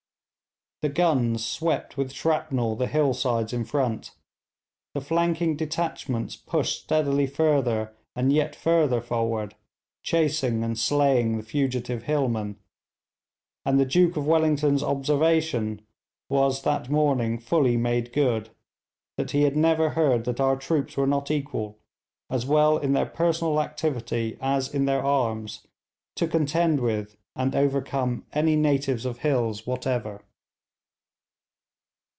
The guns swept with shrapnel the hill sides in front, the flanking detachments pushed steadily further and yet further forward, chasing and slaying the fugitive hillmen; and the Duke of Wellington's observation was that morning fully made good, that he had never heard that our troops were not equal, as well in their personal activity as in their arms, to contend with and overcome any natives of hills whatever.'